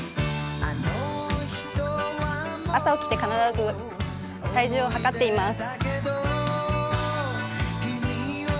朝起きて必ず体重をはかっています。